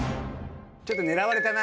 ちょっと狙われたな。